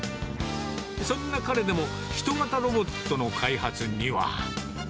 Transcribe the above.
そんな彼でも人型ロボットの開発には。